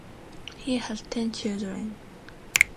He had ten children.